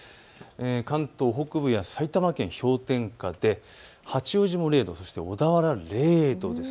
関東北部や埼玉県、氷点下で八王子も０度、小田原０度です。